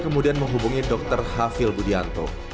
kemudian menghubungi dr hafil budianto